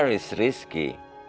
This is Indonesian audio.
dimana ada risiko